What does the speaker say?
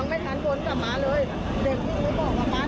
เด็กมาบอกว่ามะเหมือนจะโชน